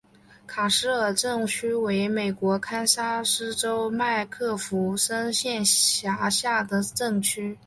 卡斯尔镇区为美国堪萨斯州麦克弗森县辖下的镇区。